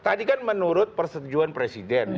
tadi kan menurut persetujuan presiden